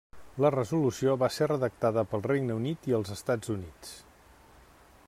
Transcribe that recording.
La resolució va ser redactada pel Regne Unit i els Estats Units.